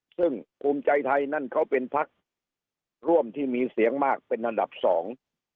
ซึ่งภูมิใจไทยนั่นเขาเป็นพักร่วมที่มีเสียงมากเป็นอันดับสอง